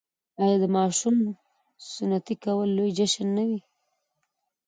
آیا د ماشوم سنتي کول لوی جشن نه وي؟